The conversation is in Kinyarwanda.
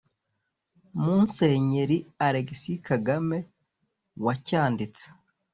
Musenyeri Alegisi Kagame wacyanditse,